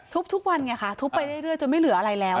ทุกวันไงค่ะทุบไปเรื่อยจนไม่เหลืออะไรแล้ว